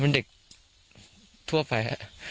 เป็นเด็กทั่วไป